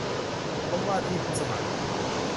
พบว่าที่ผู้สมัคร